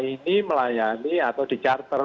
ini melayani atau di charter